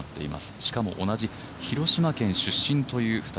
しかも同じ広島県出身という２人。